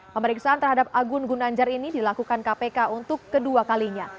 pemeriksaan terhadap agun gunanjar ini dilakukan kpk untuk kedua kalinya